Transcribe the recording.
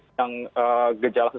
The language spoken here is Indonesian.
bahkan menghindari untuk isolasi mandiri